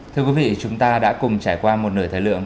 thưa quý vị chúng ta đã cùng trải qua một nửa thời lượng